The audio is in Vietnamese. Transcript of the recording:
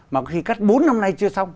mà có khi cắt bốn năm nay chưa xong